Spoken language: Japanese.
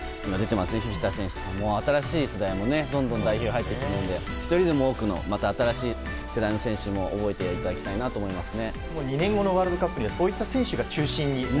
フィフィタ選手など新しい世代もどんどん代表に入ってきているので１人でも多くのまた新しい世代の選手も覚えていきたいと思いますね。